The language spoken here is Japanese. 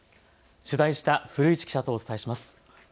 取材した古市記者とお伝えします。